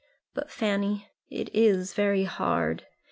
But, Fanny, it is very hard.